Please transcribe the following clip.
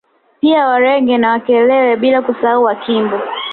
Pia Waregi na Wakerewe bila kusahau Wakimbu